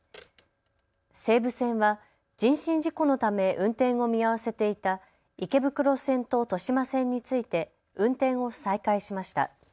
西武線は人身事故のため運転を見合わせていた池袋線と豊島線について運転を再開しました。